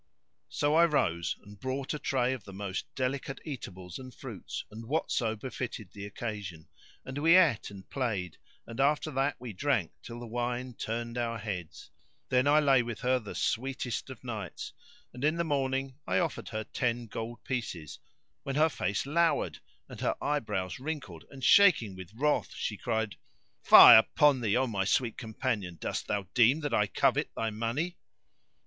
So I rose and brought a tray of the most delicate eatables and fruits and whatso befitted the occasion, and we ate and played and after that we drank till the wine turned our heads. Then I lay with her the sweetest of nights and in the morning I offered her ten gold pieces; when her face lowered and her eye brows wrinkled and shaking with wrath she cried, "Fie upon thee, O my sweet companion! dost thou deem that I covet thy money?"